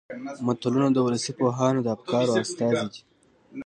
متلونه د ولسي پوهانو د افکارو استازي دي